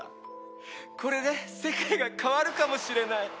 これで世界が変わるかもしれない。